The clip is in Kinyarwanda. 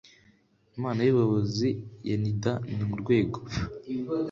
Inama y ubuyobozi ya nida ni rwo rwego